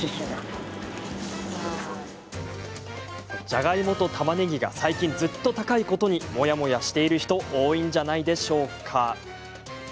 じゃがいもと、たまねぎが最近ずっと高いことにモヤモヤしている人多いんじゃないでしょうか。